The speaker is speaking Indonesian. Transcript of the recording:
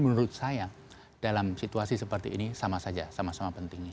menurut saya dalam situasi seperti ini sama saja sama sama pentingnya